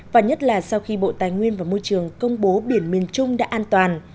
và nhất là sau khi bộ tài nguyên và môi trường công bố biển miền trung đã an toàn